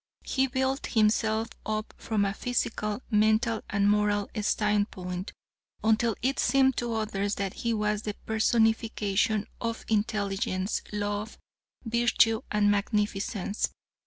He built himself up from a physical, mental, and moral standpoint, until it seemed to others that he was the personification of intelligence, love, virtue, and magnificence.